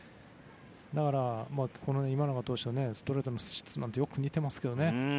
だから、今永投手のストレートの質もよく似ていますけどね。